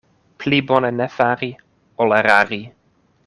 Pli bone ne fari, ol erari.